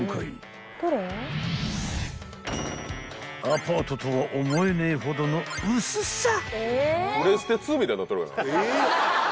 ［アパートとは思えねえほどの薄さ］